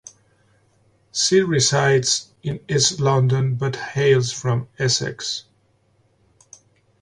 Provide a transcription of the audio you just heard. She resides in East London but hails from Essex.